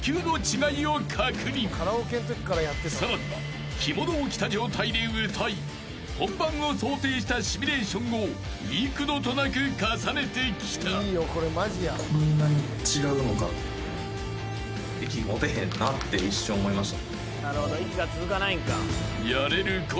［さらには着物を着た状態で歌い本番を想定したシミュレーションを幾度となく重ねてきた］って一瞬思いました。